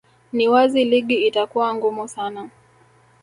ni wazi ligi itakuwa ngumu sana